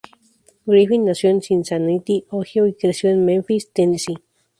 Griffin nació en Cincinnati, Ohio y creció en Memphis, Tennessee.